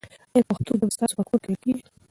آیا پښتو ژبه ستاسو په کور کې ویل کېږي؟